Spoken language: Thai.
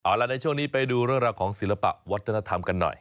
เอาละในช่วงนี้ไปดูเรื่องราวของศิลปะวัฒนธรรมกันหน่อย